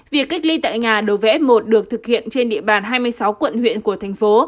việc cách ly tại nhà đối với f một được thực hiện trên địa bàn hai mươi sáu quận huyện của thành phố